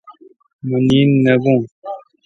مہ نیند نہ بوُن